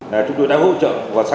để người dân tự bảo vệ